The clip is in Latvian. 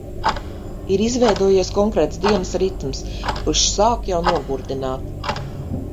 Ir izveidojies konkrēts dienas ritms, kurš sāk jau nogurdināt.